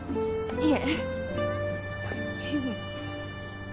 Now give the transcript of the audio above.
いえ。